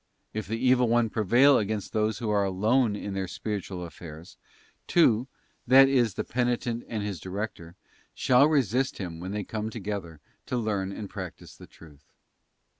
If the evil one prevail against those who are alone in their spiritual affairs, two, that is the penitent and his director, shall resist him when they come together to learn and practise the truth.